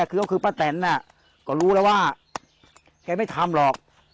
คือก็คือป้าแตนก็รู้แล้วว่าแกไม่ทำหรอก